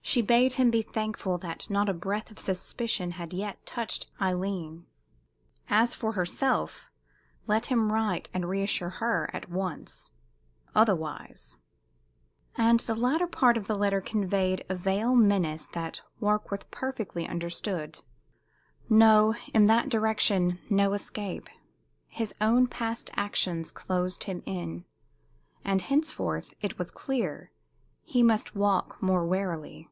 She bade him be thankful that not a breath of suspicion had yet touched Aileen. As for herself, let him write and reassure her at once. Otherwise And the latter part of the letter conveyed a veiled menace that Warkworth perfectly understood. No in that direction, no escape; his own past actions closed him in. And henceforth, it was clear, he must walk more warily.